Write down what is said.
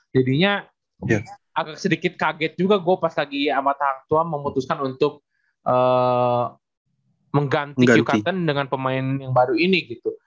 jadinya agak sedikit kaget juga gue pas lagi sama tangtua memutuskan untuk mengganti q cattain dengan pemain yang baru ini gitu